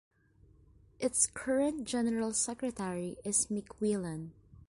Its current General Secretary is Mick Whelan.